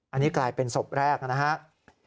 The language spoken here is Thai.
อันนี้กลายเป็นศพแรกนะครับ